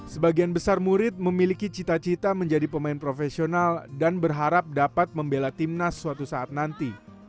sebagian besar murid memiliki cita cita menjadi pemain profesional dan berharap dapat membela timnas suatu saat nanti